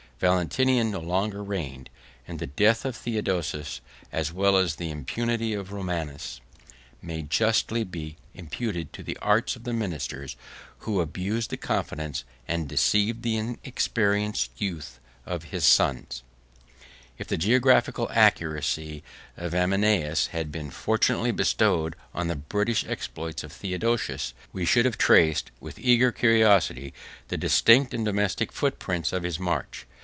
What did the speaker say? Valentinian no longer reigned; and the death of Theodosius, as well as the impunity of Romanus, may justly be imputed to the arts of the ministers, who abused the confidence, and deceived the inexperienced youth, of his sons. 124 124 (return) [ Ammian xxviii. 4. Orosius, l. vii. c. 33, p. 551, 552. Jerom. in Chron. p. 187.] If the geographical accuracy of Ammianus had been fortunately bestowed on the British exploits of Theodosius, we should have traced, with eager curiosity, the distinct and domestic footsteps of his march.